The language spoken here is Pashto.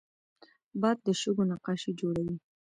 باد د شګو نقاشي جوړوي